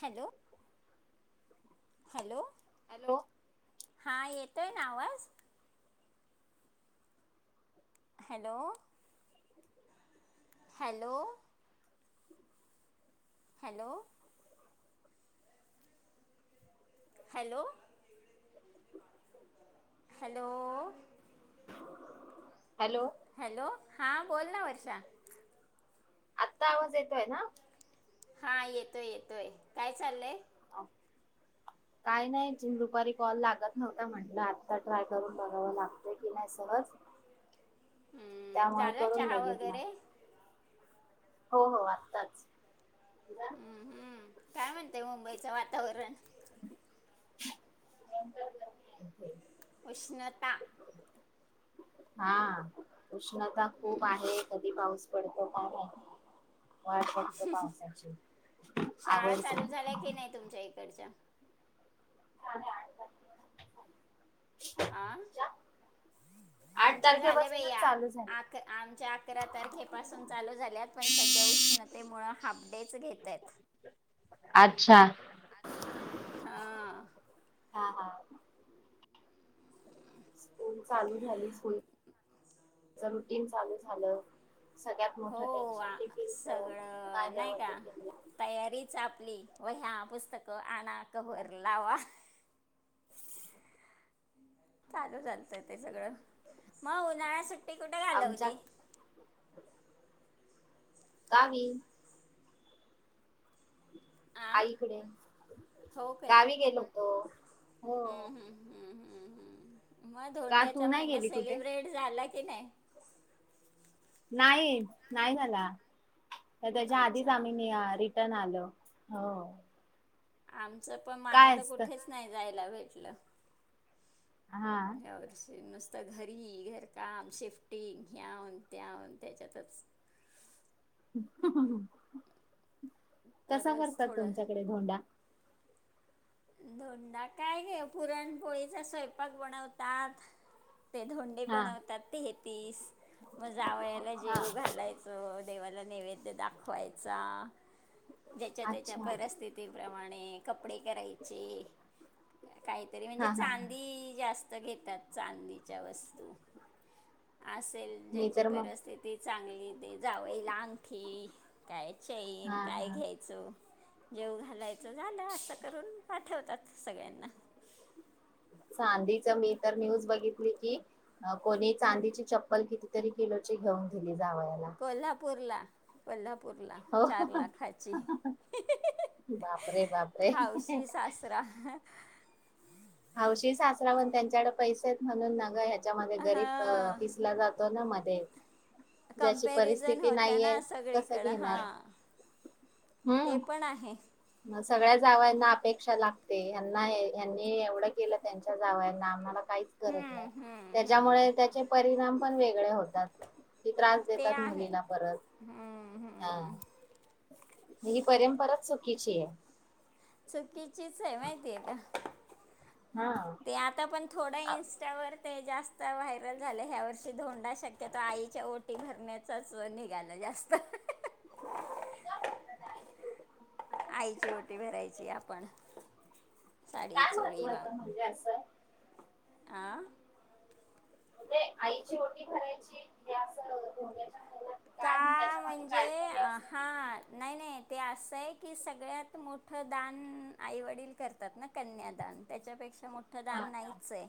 Hello hello hello येतय ना आवाज hello hello hello hello hello hello hello हा बोल ना वर्षा आत्ता आवाज येतोय ना हा येतोय येतोय काय चाललंय काय नाही दुपारी कॉल लागत नव्हता म्हटलं आता ट्राय करून बघाव लागतोय की नाही सहज हम्म, त्यामुळे झालं करून चहा बघित ना वगैरे हो हो आत्ताच हम्म हम्म. काय म्हणतेय मुंबईचं वातावरण? [unintelligible] उष्णता हा! उष्णता खूप हम्म. आहे, कधी पाऊस पत [unintelligible] वाट बघते पावसाची शाळा चालू आवर्जून झाल्या की नाही तुमच्या इकडच्या हा हा [unintelligible] आह? आठ आमच्या झाल्या तारखेपासूनच भैया चालू झालं आक आमच्या अकरा तारखे पासून चालू झाल्यात पण सध्या उष्णते मुळ हाफ डेच घेताय. अच्छा हा हा... हा हा.. चालू झाली स्कूल [inaudible] चालू. जिम चालू झालं. सगळ्यात हो मोठं टेनशन आ- टिफिनचं सगळं नाही कायद्याव टिफिनला? व ह्या, पुस्तकं आना क वर लावा. चालू चालतं ते सगळं, मग उन्हाळ्यासाठी ती कुठे आमच्या घालवली? गावी. आ आईकडे... हो काय गावी गेलो. हो. हो. हम्.. हम्म.. हम्.. मग का तू धोंड्याचा नाही महिना गेली कुठे? सेलिब्रेट झाला की मी नाही. नाही. नाही जाला. तर त्याच्या आधीच अच्छा आम्ही निहार तन आलो. आम च पण मला काय तर असतं कुठच नाही जाय ला भेटलो हा. यावर्षी नुसतं तर घरी घरकाम, शिफ्टिंग, ह्याव- त्याव त्याच्यातच. [inaudible] कसा तरच करतात थोडं तुमच्याकडे धोंडा? धोंडा काय घे पुरणपोळीचा स्वयंपाक बनवतात. ते धोंडे हा बनवतात ते तीस मग जावयाला हा. जेवू घालायचं. देवाला नैवेद्य दाखवायचा. ज्याच्या त्याच्या अच्छा परिस्थितीप्रमाणे कपडे करायचे. काय तरी म्हणजे हा हा हा चांदी असलं घे त्यात चांदीच्या वस्तू असेल मी ज्याची तर मग परिस्थिती चांगली ते जावयाला अंगठी काय चैन हा काय हा घ्यायच. जेवू घालायचं झालं असं करून आठवतात सगळ्यांना चांदीच मी तर न्यूज बघितली की कोणी चांदीची चप्पल कितीतरी किलोची घेऊन दिली. जावयाला पुरला पुूरला हो चार लाखाची, बापरे बापरे हावशी सासरा हौशी सासरा [unintelligible] त्यांच्याकड पैसेेत म्हणून नगं गरीब पिसला जातो. सोना मध्ये [unintelligible] कमपॅरिझन होता ना कसं सगळीकड हा घेणार ते पण आहे. ग सगळ्या जावयाना अपेक्षा लागते हयांना [unintelligible] ह एवढं केलं त्यांच्या जावयाना आम्हाला काहीच करत हम्म, नाही. हम्म, हम्म. त्याच्यामुळे त्याचे परिणाम पण वेग होतात. त्रास ते देतात आहे मुलीला परत हम्म, ह हम्म. ही परंपरा किची आहे. चुकीचीच आहे माहितीय का, हा. ते आता पण थोडा इं्स्टावर ते जास्त व्हायरल झालं ह्या वर्षी धोंडा शक्यतो आईच्या ओटी भरण्याचच निघालं जास्त का जायच आईची ओटी भरायची आपण साडी काय चोळी महत्व आपण वांग म्हणजे असं आ म्हणजे आईची ओटी भरायची [unintelligible] काय का त्याच्या मागे म्हणजे काहीतरी अ, असेल. हा नाही नाही ते असं की सगळ्यात मोठं दान आईवडील करतात ना कन्यादान त्याच्यापेक्षा मोठं हा दान हा नाहीच आहे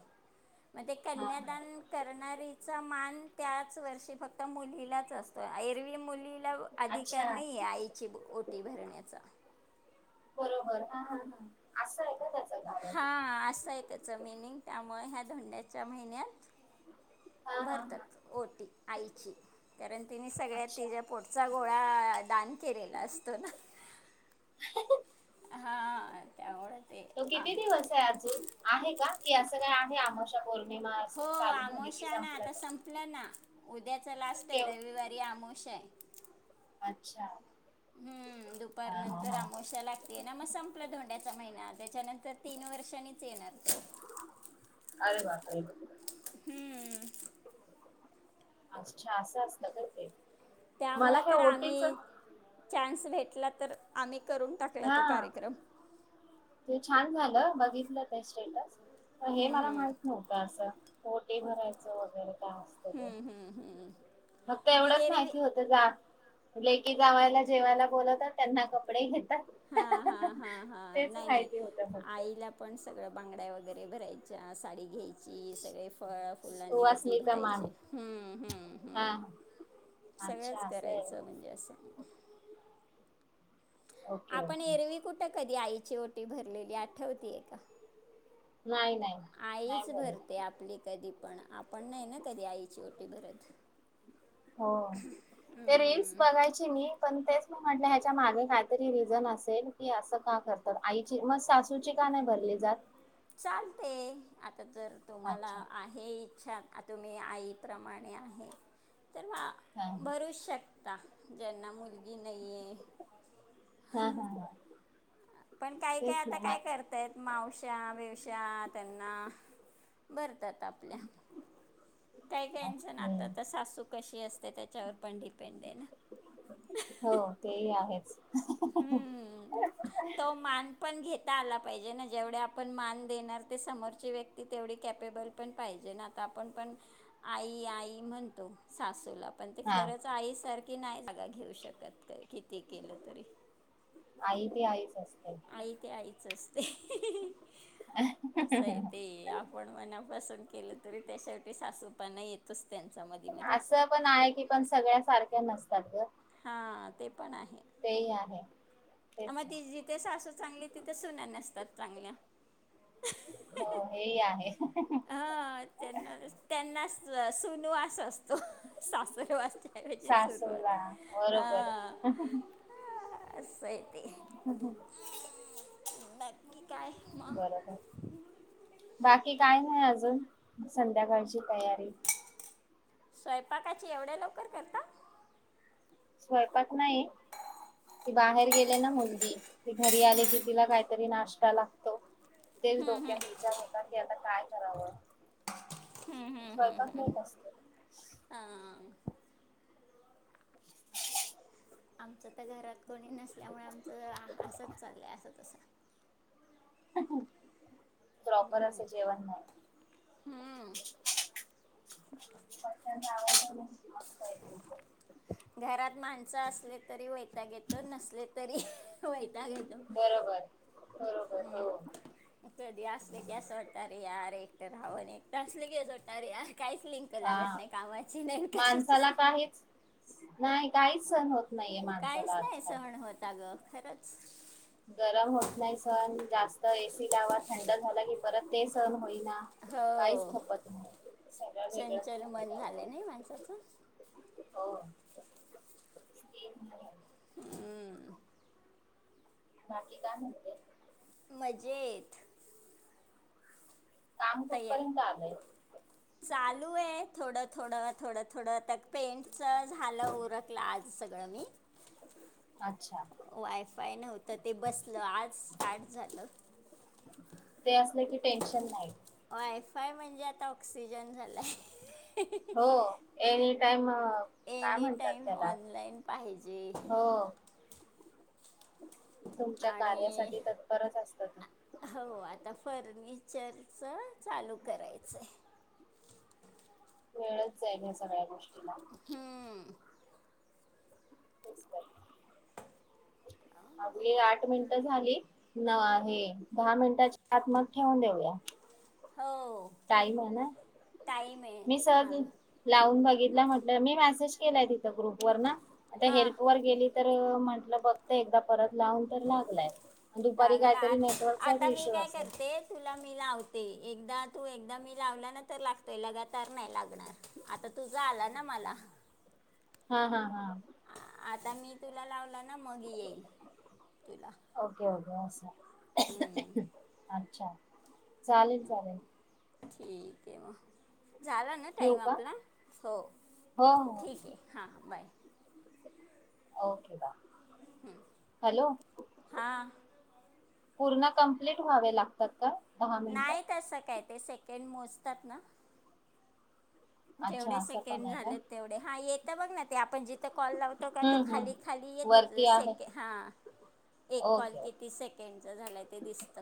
म्हगज ते हा हा कन्यादान करणारीचा मान त्याच वर्षी फक्त मुलीलाच असत एरवी मुली आप अधिकार अच्छा नाही आहे आईची ओटी भरण्याचा बरोबर ह ह ह असं आहे का त्या हा असं आहे त्याच मीनिंग त्यामुळे ह्या धोंड्याच्या महिन्यात हा हा हा भरतात ओटी आईची कारण तिने सगळ्यात अच्छा तच्या पोटचा गोळा दान केलेला असतो ना [inaudible] हा त्यावढ तो किती दिवस आहे अजून आहे का की असं काय आम्ही आमश बोलो हो आमोशा ना आता संपलं ना उद्या लास्ट आहे केव रविवारी आम शे अच्छा हम्म दुपार हा हा नंतर हा अमोश्या लागते ना मग संपलं धोंड्याचा महिना त्याच्यानंतर तीन वर्षांनीच येणार अरे बापरे हम्म अच्छा असं असतं का ते मला त्यामुळे हे ओटीच ला तर आम्ही करून टाकला हा तो कार्यक्रम ते छान झालं बघितलं त्या स्टेलस हे मला माहत नव्हतं असं होटे भरायचं वगैरे त ते हम्म, हम्म. हम्म. फक्त मग एवढंच एरवी माहिती होत जा लेकीी जावायला जेवायला बोलवतात त्यांना कपडे घेत हा हा हा हा नाही नाही माहिती होतं फक्त आईला पण सगळं बांगड्या वगैरे भरायच्या साडी घ्यायची सगळे फळ फुलांनी ओटी सुवासनीचा मान भरायची हम्म हम्म हा हम् हा सगळंच अच्छा असं करायचं आहे म्हणजे असं ओके आपण ओके एरवी कुठं कधी आय ओटी भरलेली आठवती का नाही नाही नाही आईच बरोबर भरते आपली कधी पण आपण नाही ना कधी आईची ओटी भरत हो ते रील्स हम्म बघायची मी पण तेच म्हटलं ह्याच्या मागे काहीतरी रिझन असेल की असं का करतात आईची मग सासूची का नाही भरली जात चालते आ आता जर तुम्हाला अच्छा आहे च्छा तुम्ही आईप्रमाणे आहे तर वा हा हा भरू शक आता ज्यांना मुलगी नाही आहे हा हा पण काही काय तेच आता ना मा काय करतय मावश्या बेवश्या त्यांना बरं काशन हम्म आता सासू कशी अस त्याच्यावर पंड पंडे आहे ना हो तेही आहेच हम्म तो मान पण घेत आला पाहिजे ना जेवढे आपण मान देणार ते समोरची व्यक्ती तेवढी कॅपेबल पण पाहिजे ना आता आपण पण आई आई म्हणतो सासूला पण ते हा खरंच आईसारखं की नाही सगा घेऊ शकत का किती केलं तरी आई ते आईच आई ते आईचच अस आहे ते आपण मनापासून केलं तरी त्या शेवी सासूपना येतच असं पण आहे की पण सगळ्या सारखं ते नसतात ग हा ते पण पण आहे तेही आहे तेच म ना. ते जिथे सासू चांगली तिथे सुना नसतात चांगल्या हो हे ही आहे सुनवास अस सासरवासच्या ऐवजी सुनवास सासूला बरोबर. असय ते. हम हम. [unintelligible] काय म? बरोबर बाकी काय नाही अजून. संध्याकाळची तयारी. स्वयपाकाची एवढ्या लवकर करता? स्वयंपाक नाही. बाहेर गेलिए ना मुलगी. ती घरी आले की तिला काही तरी नास्टा- का लागत. तेच डोक्या विचार होता की आता काय? कराव. हम्म हम्म हम्म हम्म असतो हां. आमचं. घरात कोणी नसल्यामुळे आमचं आ असच चाललंय. अस तस. प्रॉपर असे जेवण नाही. आवाज पण किती मस्त येतो. घरात माणसास रिपेयरी वयी े [inaudible] नसले तरी वयताग येतो बरोबर बरोबर हो कधी असले की असं वाटतं अरे यार रे एकटं राहव. एकट असले की, अस वाटत अरे यार, काहीच लिंक लागत हा नाही कामाची नाही कशाचीच माणसाला नाही. काहीच नाही काहीच सण होत नाहीये माणसाला काहीच नाही आजकाल. सण होत आग. खरंच. गरम होत नाही सन जास्त ए सी लावा थंड झाला की परत ते सन होईल. हो काहीच खपत नाही सगळं वेगळंच चंचल झालय मन काय झालं नाही माणसाचं ते हो. तीन झाले. ह बा आपली काय म्हणते बजेत काम त कुठपर्यंत आलंय चालू आहे थोड थोडं थोड थोडं पेंटच झालं उरकलं आज सगळं मी अच्छा वायफाय नव्हतं ते बसलं आज स्टार्ट झालं ते असलं की टेन्शन नाही. वायफाय म्हणजे आता ऑक्सिजन झालाय हो any time any time online पाहिजे हो तुमच्या आणि कार्यासाठी तत्परच असत ते हो आता फर्निचर च चालू करायचं कळत जाईल ह्या सगळ्या गोष्टी हम्म तेच तर थांब आपली बघूयात आठ मिनटं झाली न आहे दहा मिनटांच्या आत मग ठेवून देऊया हो टाईम आहे ना टाईम आहे मी दहा सहज मिनिट लावून बघ म्हटलं मी मेसेज केलाय ग्रुप वर ना आ हां हेल्प वर गेली तर म्हंटलं बघत एकदा परत लावून तर लागलाय दुपारी लागला आ काहीतरी नेटवर्कचाच आता मी इश्यू काय असेल करते तुला मी लावते एकदा तू एकदा मी लावला ना तर लागतोय लगातार नाही लागणार आता तुझा आला ना मला हा, हा, हा आ- आता मी तुला लावला मग येईल तुला ओके अच्छा चालेल, चालेल ठीक आहे म झाला ना ठेवू टाईम का आपला हो हो ठीक हो आहे हां बाय ओके बाय हॅलो हां पूर्ण कमप्लीट व्हावे लागतात का दहा मिनिटं नाही तसं कायत ते सेकंड मोजतात ना जेवढे अच्छा असं पण सेकंड आहे का झाले तेवढे हा एक ते बघ ना ते आपण कॉल लावतो का तू हम्म हम्म खाली खाली येत वरती आहे सेक हा एक कॉल ओके ओके किती सेकडचा झाला ते दिसत